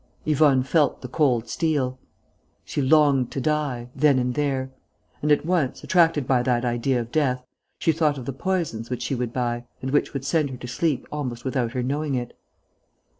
Yvonne felt the cold steel. She longed to die, then and there; and, at once attracted by that idea of death, she thought of the poisons which she would buy and which would send her to sleep almost without her knowing it.